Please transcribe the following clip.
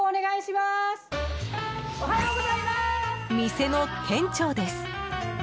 店の店長です。